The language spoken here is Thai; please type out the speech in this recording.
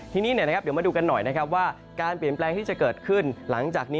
ทีนี้เดี๋ยวมาดูกันหน่อยนะครับว่าการเปลี่ยนแปลงที่จะเกิดขึ้นหลังจากนี้